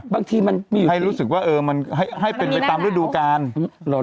บางทีเป็นไปตามฤดูกาล